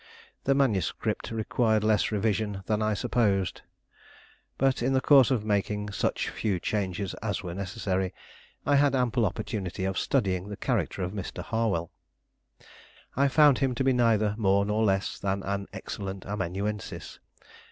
The manuscript required less revision than I supposed. But, in the course of making such few changes as were necessary, I had ample opportunity of studying the character of Mr. Harwell. I found him to be neither more nor less than an excellent amanuensis.